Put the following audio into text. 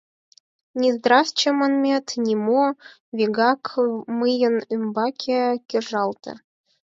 Ни «здрасче» манмет, ни мо, вигак мыйын ӱмбаке кержалте.